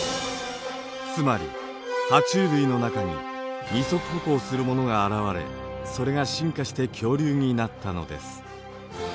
つまりハチュウ類の中に二足歩行するものが現れそれが進化して恐竜になったのです。